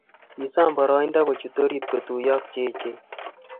Kisom boroindo kochut orit kotuiyo ak cheechen